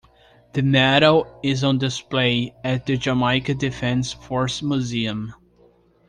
The medal is on display at the Jamaica Defence Force Museum.